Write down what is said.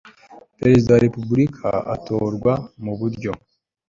perezida wa repubulika atorwa mu buryo